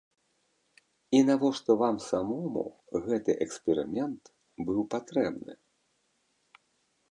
І навошта вам самому гэты эксперымент быў патрэбны?